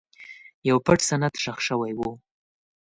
یو پټ سند ښخ شوی و.